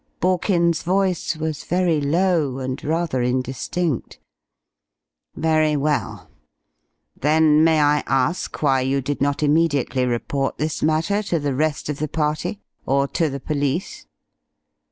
Borkins's voice was very low and rather indistinct. "Very well. Then may I ask why you did not immediately report this matter to the rest of the party, or to the police?"